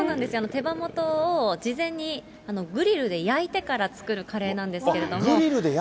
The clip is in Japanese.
手羽元を事前にグリルで焼いてから作るカレーなんですけれども。